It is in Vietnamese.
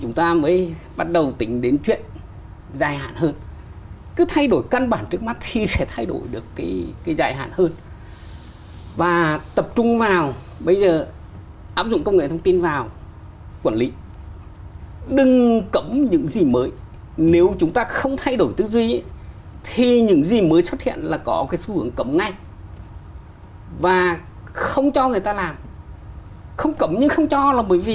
chúng ta mới bắt đầu tính đến chuyện dài hạn hơn cứ thay đổi căn bản trước mắt thì sẽ thay đổi được cái dài hạn hơn và tập trung vào bây giờ áp dụng công nghệ thông tin vào quản lý đừng cấm những gì mới nếu chúng ta không thay đổi tư duy thì những gì mới xuất hiện là có cái xu hướng cấm ngay và không cho người ta làm không cấm nhưng không cho là bởi vì không có quyết định